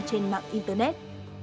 trên mạng internet